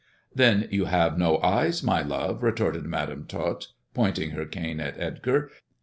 "Then you have no eyes, my love," retorted Madam Tot, pointing her cane at Edgar.